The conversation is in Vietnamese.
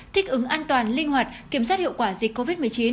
thích ứng an toàn linh hoạt kiểm soát hiệu quả dịch covid một mươi chín